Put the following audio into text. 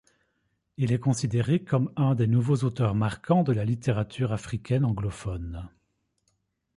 Il est considéré comme un des nouveaux auteurs marquants de la littérature africaine anglophone.